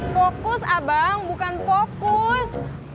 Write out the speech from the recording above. fokus abang bukan fokus